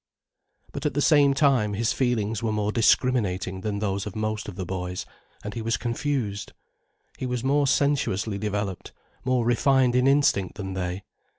But at the same time his feelings were more discriminating than those of most of the boys, and he was confused. He was more sensuously developed, more refined in instinct than they.